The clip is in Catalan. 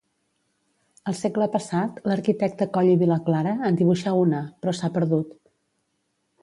El segle passat l'arquitecte Coll i Vilaclara en dibuixà una, però s'ha perdut.